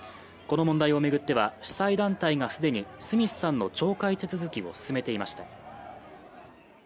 この問題をめぐっては、主催団体が既にスミスさんの懲戒手続きを進めていました